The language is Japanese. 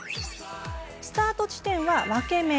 スタート地点は分け目。